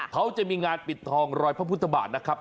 เขาจะมีงานปิดทองรอยพระพุทธบาทนะครับ